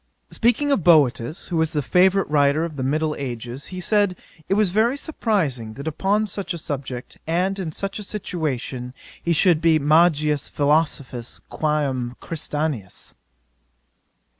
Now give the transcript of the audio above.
'Speaking of Boetius, who was the favourite writer of the middle ages, he said it was very surprizing, that upon such a subject, and in such a situation, he should be magis philosophius quÃ m Christianus.